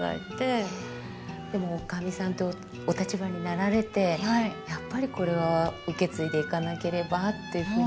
でもおかみさんというお立場になられてやっぱりこれを受け継いでいかなければっていうふうに。